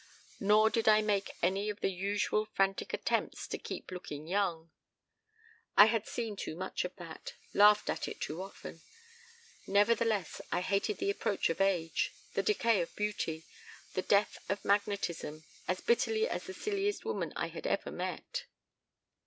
Nor did I make any of the usual frantic attempts to keep looking young. I had seen too much of that, laughed at it too often. Nevertheless, I hated the approach of age, the decay of beauty, the death of magnetism, as bitterly as the silliest woman I had ever met.